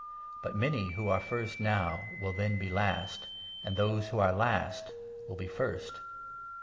But many who 30 are first now will then be last, and those who are last will be first.